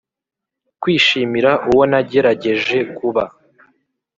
kwishimira uwo nagerageje kuba,